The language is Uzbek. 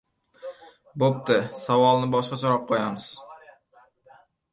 – Boʻpti, savolni boshqacharoq qoʻyamiz.